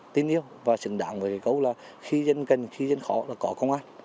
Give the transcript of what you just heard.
tin yêu và xứng đáng với câu là khi dân gần khi dân khó là có công an